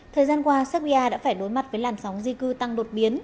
thời gian qua serbia đã phải đối mặt với làn sóng di cư tăng đột biến